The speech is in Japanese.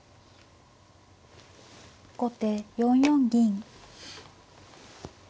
後手４四銀。